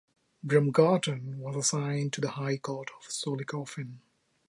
Bremgarten was assigned to the high court of Zollikofen.